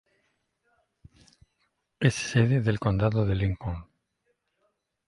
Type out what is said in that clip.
Es sede del condado de Lincoln.